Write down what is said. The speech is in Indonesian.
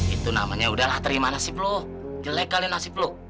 itu namanya udahlah terima nasib lo jelek kali nasib lo